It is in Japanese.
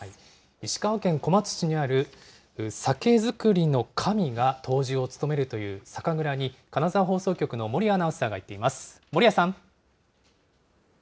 石川県小松市にある酒造りの神が杜氏を務めるという酒蔵に、金沢放送局の守屋アナウンサーが行っています、守屋さん。